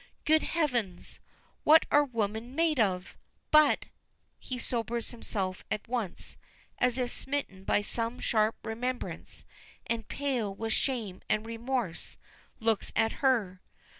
Good heavens! What are women made of? But " He sobers himself at once, as if smitten by some sharp remembrance, and, pale with shame and remorse, looks at her.